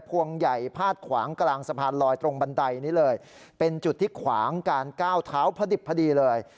พวงใหญ่พาดขวางกลางสะพานลอยตรงบันไดนี้เลยเป็นจุดที่ขวางการก้าวเท้าพอดิบพอดีเลย